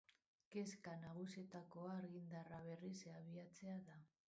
Kezka nagusietakoa argindarra berriz abiatzea da.